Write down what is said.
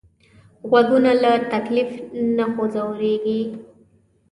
غوږونه له تکلیف نه ځورېږي